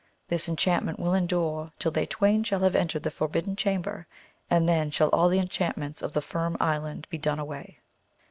This enchantment will endure till they twain shall have entered the Forbidden Chamber, and then shall all the enchantments of the Firm Island be done away.